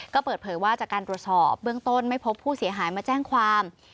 ก็เปิดเผยว่าจากการตรวจสอบเบื้องต้นไม่พบผู้เสียหายมาแจ้งความ